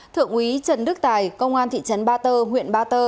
thượng úy trần đức tài công an thị trấn ba tơ huyện ba tơ